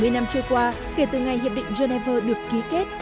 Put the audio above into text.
bảy mươi năm trôi qua kể từ ngày hiệp định geneva được ký kết